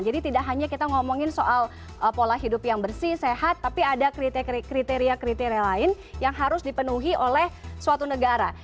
tidak hanya kita ngomongin soal pola hidup yang bersih sehat tapi ada kriteria kriteria lain yang harus dipenuhi oleh suatu negara